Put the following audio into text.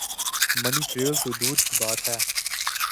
منی trail تو دور کی بات ہے۔